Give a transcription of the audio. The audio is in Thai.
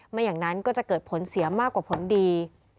ไม่อย่างนั้นก็จะเกิดผลเสียมากกว่าผลดี